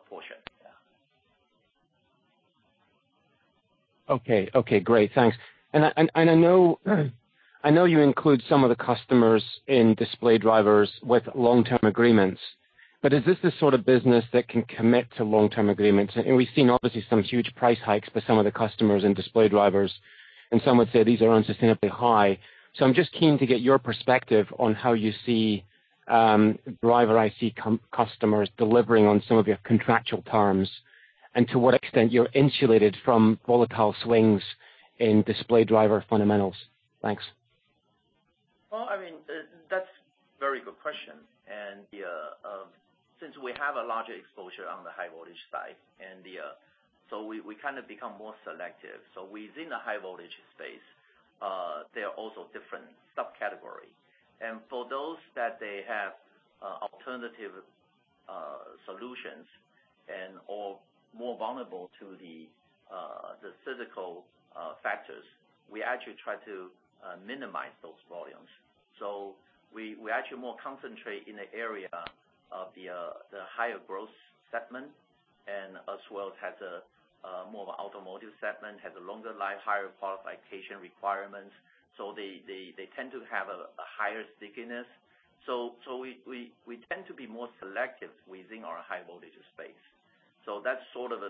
portion. Yeah. Okay, great. Thanks. I know you include some of the customers in display drivers with long-term agreements, but is this the sort of business that can commit to long-term agreements? We've seen obviously some huge price hikes for some of the customers in display drivers, and some would say these are unsustainably high. I'm just keen to get your perspective on how you see driver IC customers delivering on some of your contractual terms, and to what extent you're insulated from volatile swings in display driver fundamentals. Thanks. Well, I mean, that's very good question. Since we have a larger exposure on the high voltage side, we kind of become more selective. Within the high voltage space, there are also different subcategory. For those that they have alternative solutions and are more vulnerable to the physical factors, we actually try to minimize those volumes. We actually more concentrate in the area of the higher growth segment and as well as has a more of automotive segment, has a longer life, higher qualification requirements, so they tend to have a higher stickiness. We tend to be more selective within our high voltage space. That sort of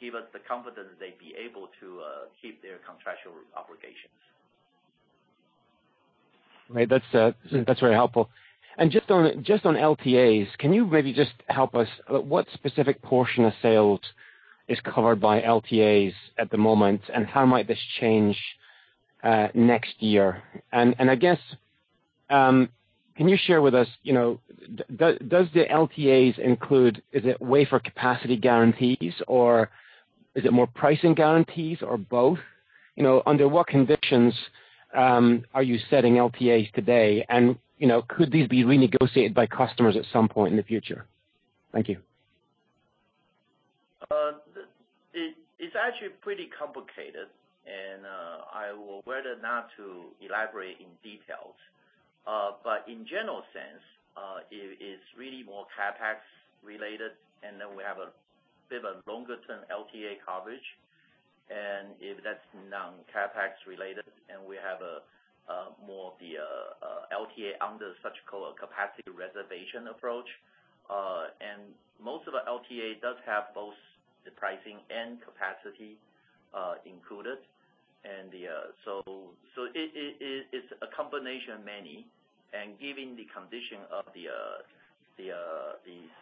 give us the confidence that they'd be able to keep their contractual obligations. Right. That's very helpful. Just on LTAs, can you maybe just help us what specific portion of sales is covered by LTAs at the moment, and how might this change next year? I guess can you share with us, you know, does the LTAs include, is it wafer capacity guarantees or is it more pricing guarantees or both? You know, under what conditions are you setting LTAs today? You know, could these be renegotiated by customers at some point in the future? Thank you. It's actually pretty complicated, and I'll decide whether or not to elaborate in detail. In a general sense, it is really more CapEx related, and then we have a bit of a longer-term LTA coverage, and if that's non-CapEx related, and we have more of the LTA under so-called capacity reservation approach. Most of the LTA does have both the pricing and capacity included. It's a combination of many. Given the condition of the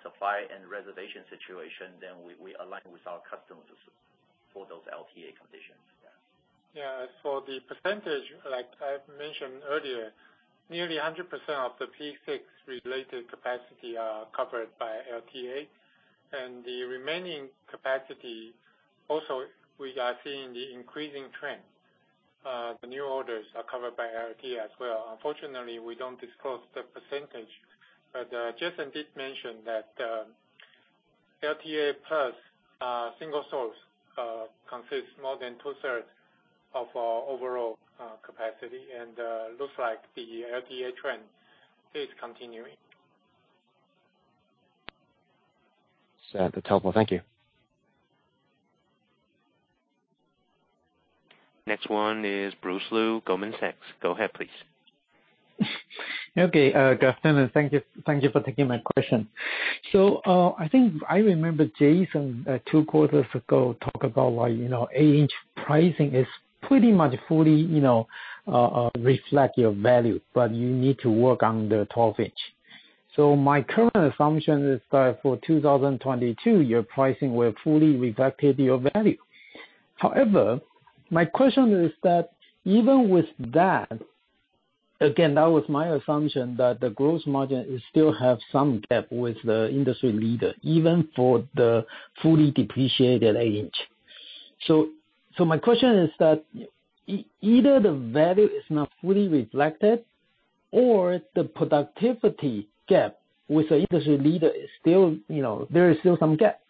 supply and reservation situation, we align with our customers for those LTA conditions. Yeah. For the percentage, like I mentioned earlier, nearly 100% of the P6 related capacity are covered by LTA. The remaining capacity also we are seeing the increasing trend. The new orders are covered by LTA as well. Unfortunately, we don't disclose the percentage. Jason did mention that LTA plus single source consists more than two-thirds of our overall capacity and looks like the LTA trend is continuing. That's helpful. Thank you. Next one is Bruce Lu, Goldman Sachs. Go ahead, please. Okay. Good afternoon. Thank you for taking my question. I think I remember Jason, two quarters ago, talk about why, you know, 8-inch pricing is pretty much fully, you know, reflect your value, but you need to work on the 12-inch. My current assumption is that for 2022, your pricing will fully reflected your value. However, my question is that even with that, again, that was my assumption that the growth margin is still have some gap with the industry leader, even for the fully depreciated 8-inch. My question is that either the value is not fully reflected or the productivity gap with the industry leader is still, you know, there is still some gap.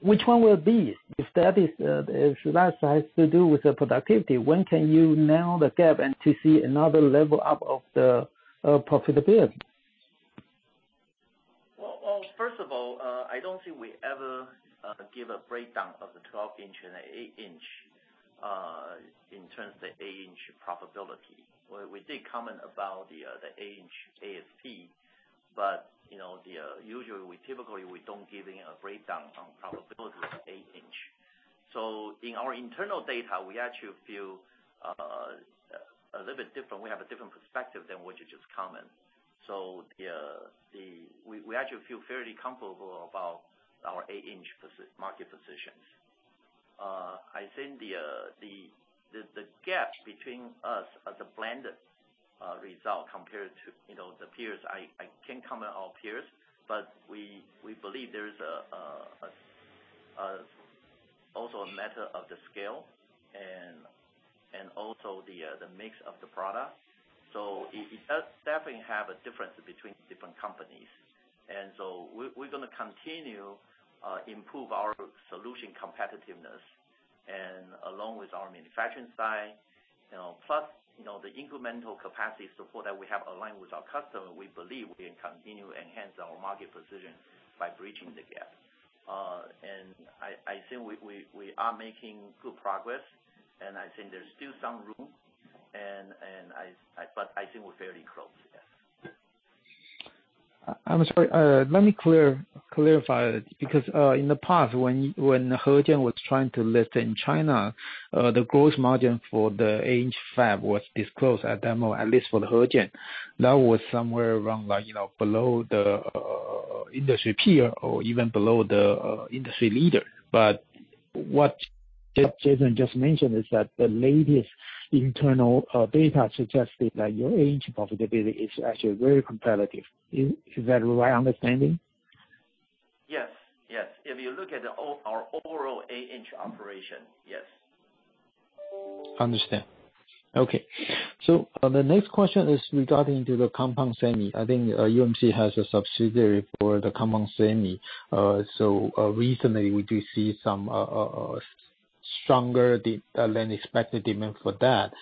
Which one will it be? If that is, if that has to do with the productivity, when can you narrow the gap and to see another level up of the profitability? Well, first of all, I don't think we ever give a breakdown of the 12-inch and the 8-inch in terms of the 8-inch profitability. We did comment about the 8-inch ASP, but you know, usually we typically don't give a breakdown on profitability of 8-inch. In our internal data, we actually feel a little bit different. We have a different perspective than what you just comment. We actually feel fairly comfortable about our 8-inch market position. I think the gap between us as a blended result compared to, you know, the peers. I can't comment on peers, but we believe there is also a matter of the scale and also the mix of the product. It does definitely have a difference between different companies. We're gonna continue improve our solution competitiveness and along with our manufacturing side, you know, plus, you know, the incremental capacity support that we have aligned with our customer. We believe we can continue to enhance our market position by bridging the gap. I think we are making good progress, and I think there's still some room, and I but I think we're fairly close, yes. I'm sorry. Let me clarify. Because in the past when Hejian was trying to list in China, the gross margin for the eight-inch fab was disclosed at IPO, at least for the Hejian. That was somewhere around like, you know, below the industry peer or even below the industry leader. What Jason just mentioned is that the latest internal data suggested that your eight-inch profitability is actually very competitive. Is that the right understanding? Yes. If you look at our overall eight-inch operation, yes. Okay. The next question is regarding the compound semi. I think UMC has a subsidiary for the compound semi. Recently we do see some stronger than expected demand for that.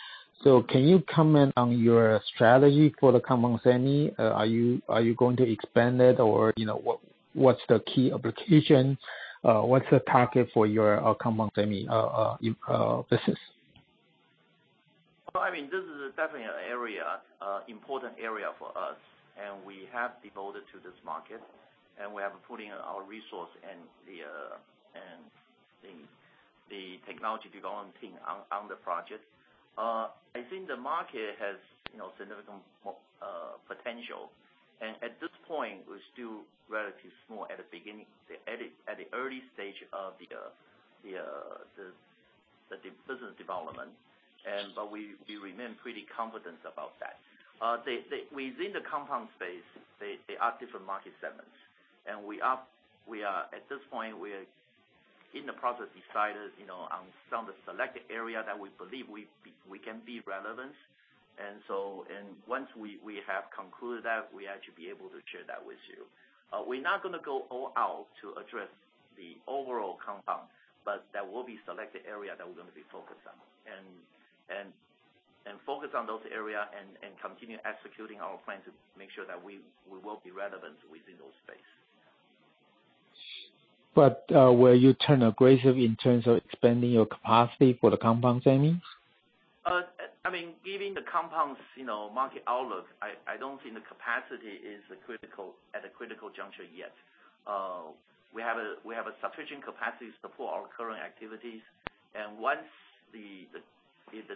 Can you comment on your strategy for the compound semi? Are you going to expand it or you know, what's the key application? What's the target for your compound semi business? Well, I mean, this is definitely an area, important area for us, and we have devoted to this market, and we have putting our resource and the technology development team on the project. I think the market has, you know, significant potential. At this point, we're still relatively small at the early stage of the business development. But we remain pretty confident about that. Within the compound space, there are different market segments. At this point, we are in the process of deciding, you know, on some of the selected area that we believe we can be relevant. Once we have concluded that, we had to be able to share that with you. We're not gonna go all out to address the overall compound, but there will be selected area that we're gonna be focused on. Focus on those area and continue executing our plan to make sure that we will be relevant within those space. Will you turn aggressive in terms of expanding your capacity for the compound semi? I mean, given the compounding, you know, market outlook, I don't think the capacity is at a critical juncture yet. We have sufficient capacity to support our current activities. Once the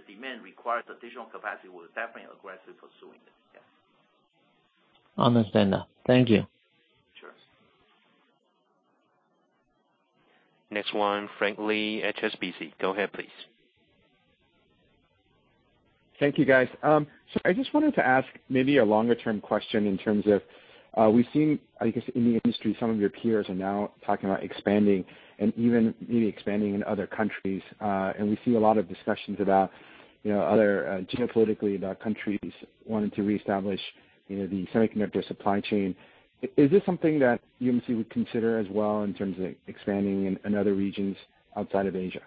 demand requires additional capacity, we'll definitely aggressively pursuing it. Yes. Understand that. Thank you. Sure. Next one, Frank Lee, HSBC. Go ahead, please. Thank you, guys. I just wanted to ask maybe a longer-term question in terms of, we've seen, I guess, in the industry, some of your peers are now talking about expanding and even maybe expanding in other countries. We see a lot of discussions about, you know, other, geopolitically about countries wanting to reestablish, you know, the semiconductor supply chain. Is this something that UMC would consider as well in terms of expanding in other regions outside of Asia?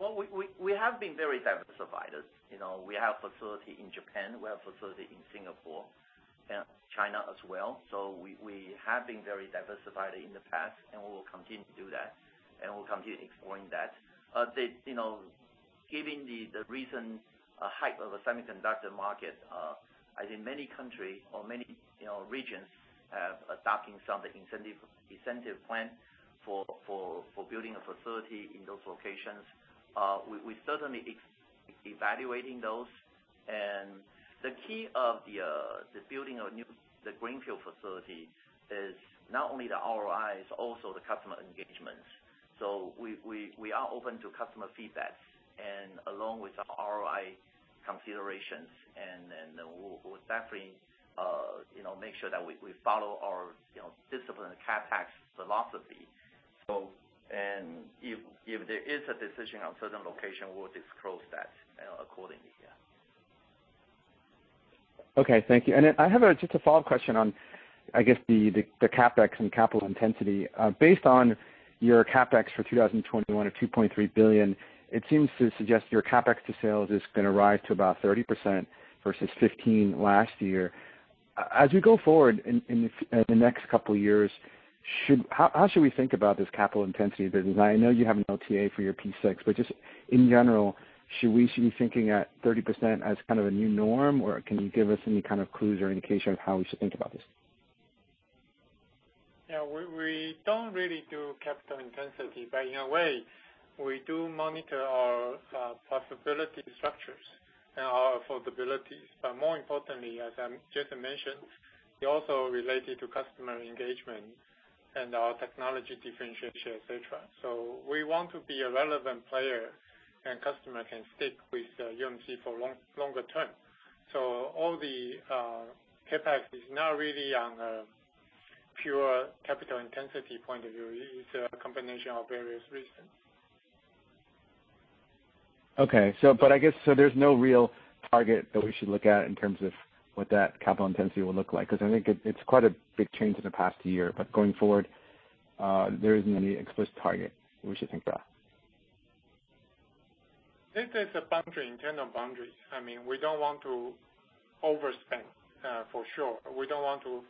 Well, we have been very diversified. You know, we have facility in Japan, we have facility in Singapore, and China as well. We have been very diversified in the past, and we will continue to do that, and we'll continue exploring that. You know, given the recent hype of the semiconductor market, I think many countries or many regions are adopting some of the incentive plan for building a facility in those locations. We certainly are evaluating those. The key to building a new greenfield facility is not only the ROIs, also the customer engagements. We are open to customer feedback and along with ROI considerations, and we'll definitely, you know, make sure that we follow our disciplined CapEx philosophy. If there is a decision on certain location, we'll disclose that accordingly, yeah. Okay. Thank you. I have just a follow-up question on. I guess the CapEx and capital intensity. Based on your CapEx for 2021 of 2.3 billion, it seems to suggest your CapEx to sales is gonna rise to about 30% versus 15% last year. As we go forward in the next couple years, should, how should we think about this capital intensity business? I know you have an LTA for your P6, but just in general, should we still be thinking at 30% as kind of a new norm, or can you give us any kind of clues or indication of how we should think about this? Yeah. We don't really do capital intensity. In a way, we do monitor our possibility structures and our affordabilities. More importantly, as Jason mentioned, it also related to customer engagement and our technology differentiation, et cetera. We want to be a relevant player, and customer can stick with UMC for longer term. All the CapEx is not really on a pure capital intensity point of view. It's a combination of various reasons. Okay. I guess so there's no real target that we should look at in terms of what that capital intensity will look like, 'cause I think it's quite a big change in the past year. Going forward, there isn't any explicit target we should think about. This is a boundary, internal boundary. I mean, we don't want to overspend, for sure. We don't want to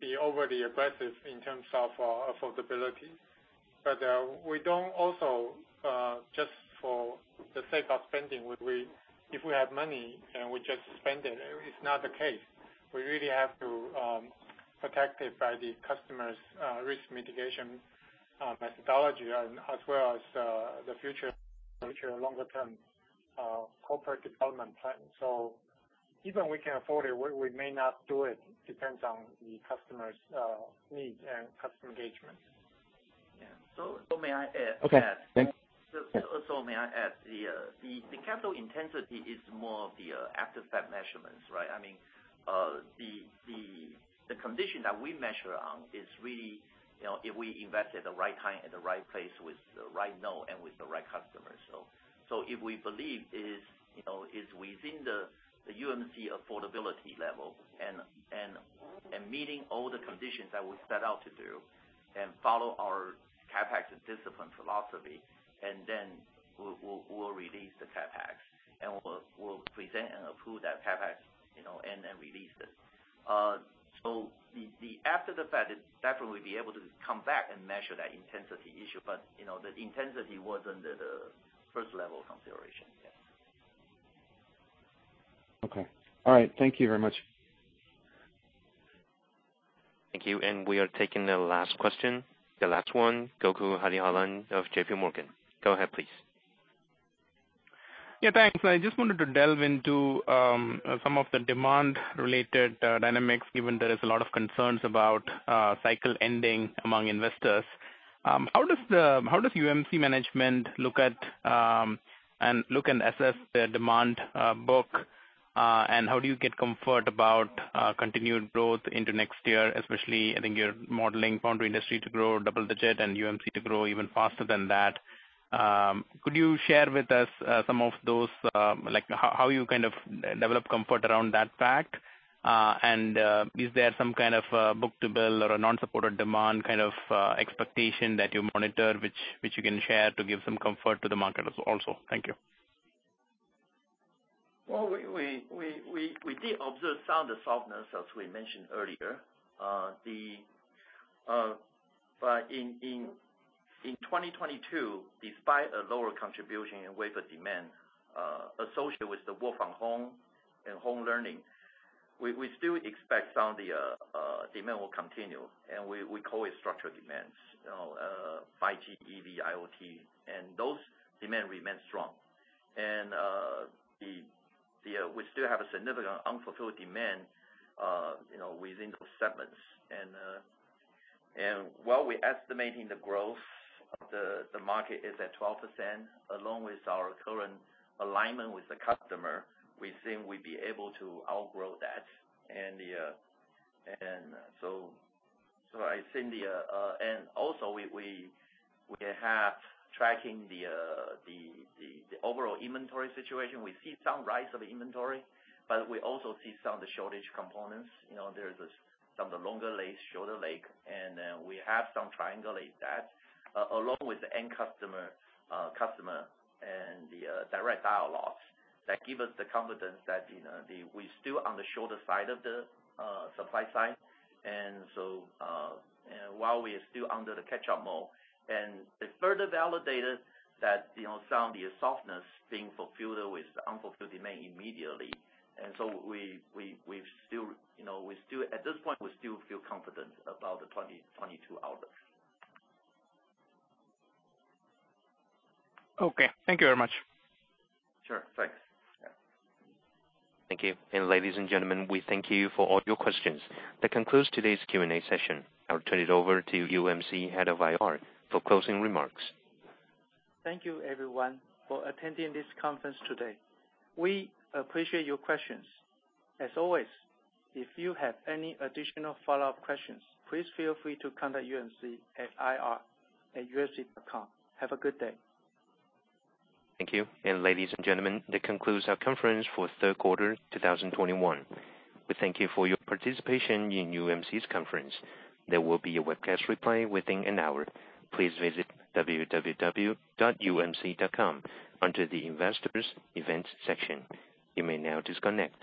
be overly aggressive in terms of, affordability. We don't also, just for the sake of spending, would we. If we have money and we just spend it's not the case. We really have to protect it by the customer's, risk mitigation, methodology and as well as, the future longer term, corporate development plan. Even we can afford it, we may not do it. Depends on the customer's, needs and customer engagement. May I add? Okay. Thanks. May I add? The capital intensity is more of the after the fact measurements, right? I mean, the condition that we measure on is really, you know, if we invest at the right time, at the right place with the right node and with the right customer. If we believe is, you know, is within the UMC affordability level and meeting all the conditions that we set out to do and follow our CapEx discipline philosophy, and then we'll release the CapEx, and we'll present and approve that CapEx, you know, and then release it. The after the fact is definitely be able to come back and measure that intensity issue. You know, the intensity wasn't the first level consideration. Yeah. Okay. All right. Thank you very much. Thank you. We are taking the last question. The last one, Gokul Hariharan of JPMorgan. Go ahead, please. Yeah, thanks. I just wanted to delve into some of the demand-related dynamics, given there is a lot of concerns about cycle ending among investors. How does UMC management look at and assess the demand book? And how do you get comfort about continued growth into next year, especially I think you're modeling foundry industry to grow double-digit and UMC to grow even faster than that. Could you share with us some of those, like, how you kind of develop comfort around that fact? And is there some kind of book-to-bill or a non-supported demand kind of expectation that you monitor which you can share to give some comfort to the market as also? Thank you. Well, we did observe some of the softness, as we mentioned earlier. In 2022, despite a lower contribution in wafer demand associated with the work from home and home learning, we still expect some of the demand will continue, and we call it structural demands. You know, 5G, EV, IoT, and those demand remain strong. We still have a significant unfulfilled demand, you know, within those segments. While we're estimating the growth of the market is at 12%, along with our current alignment with the customer, we think we'd be able to outgrow that. We have been tracking the overall inventory situation. We see some rise of inventory, but we also see some of the shortage components. You know, there's some of the longer lead times, shorter lead times. We have some triangulation that, along with the end customer and the direct dialogues that give us the confidence that, you know, we're still on the shorter side of the supply side. While we are still under the catch-up mode and it further validated that, you know, some of the shortages being fulfilled with the unfulfilled demand immediately. We've still, you know, we still feel confident about the 2022 outlook. Okay. Thank you very much. Sure. Thanks. Yeah. Thank you. Ladies and gentlemen, we thank you for all your questions. That concludes today's Q&A session. I'll turn it over to UMC Head of IR for closing remarks. Thank you, everyone, for attending this conference today. We appreciate your questions. As always, if you have any additional follow-up questions, please feel free to contact UMC at ir@umc.com. Have a good day. Thank you. Ladies and gentlemen, that concludes our conference for Q3 2021. We thank you for your participation in UMC's conference. There will be a webcast replay within an hour. Please visit www.umc.com under the Investors Events section. You may now disconnect.